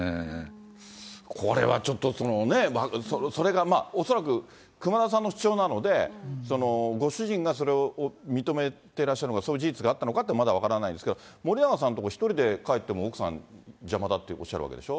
これはちょっと、それが恐らく熊田さんの主張なので、ご主人がそれを認めてらっしゃるのか、そういう事実があったのかってまだ分からないんですけど、森永さんのところ、１人で帰っても奥さん、邪魔だっておっしゃるわけでしょ。